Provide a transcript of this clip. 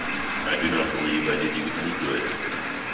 I do not believe I did you any good.